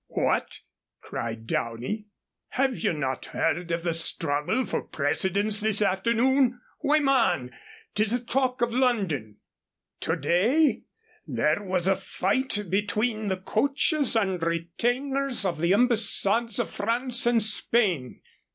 "What!" cried Downey. "Have you not heard of the struggle for precedence this afternoon? Why, man, 'tis the talk of London. To day there was a fight between the coaches and retainers of the Embassades of France and Spain.